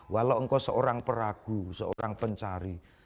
walau engkau seorang peragu seorang pencari